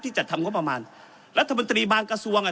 จัดทำงบประมาณรัฐมนตรีบางกระทรวงอ่ะ